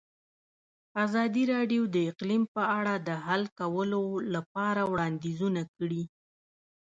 ازادي راډیو د اقلیم په اړه د حل کولو لپاره وړاندیزونه کړي.